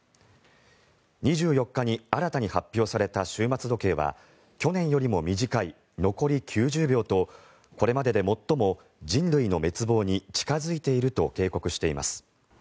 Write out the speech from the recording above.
２４日に新たに発表された終末時計は去年よりも短い残り９０秒とこれまでで最も人類の滅亡に近付いていると警告しています。